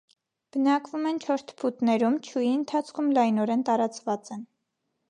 Բնակվում են չոր թփուտներում, չուի ընթացքում լայնորեն տարածված են։